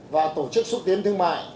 và tổ chức xuất tiến thương mại